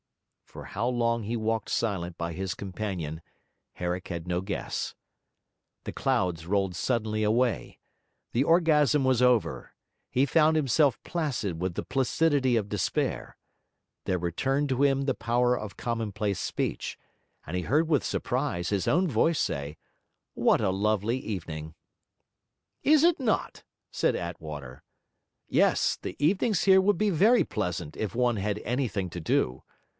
For how long he walked silent by his companion Herrick had no guess. The clouds rolled suddenly away; the orgasm was over; he found himself placid with the placidity of despair; there returned to him the power of commonplace speech; and he heard with surprise his own voice say: 'What a lovely evening!' 'Is it not?' said Attwater. 'Yes, the evenings here would be very pleasant if one had anything to do.